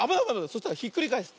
そしたらひっくりかえす。